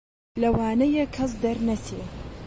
لەوانەیە کەس دەرنەچێ